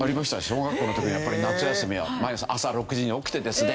小学校の時にやっぱり夏休みは毎朝朝６時に起きてですね